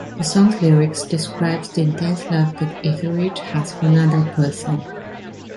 The song's lyrics describes the intense love that Etheridge has for another person.